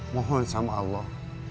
mohon sama allah